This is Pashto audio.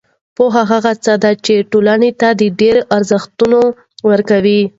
پوهه هغه څه ده چې ټولنې ته د ډېری ارزښتونه ورکوي.